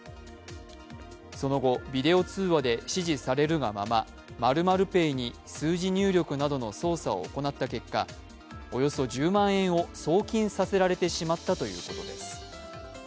その後、ビデオ通話で指示されるがまま○○ペイに数字入力などの操作を行った結果、およそ１０万円を送金させられてしまったということです。